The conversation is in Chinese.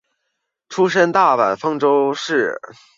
出身于大阪府丰中市。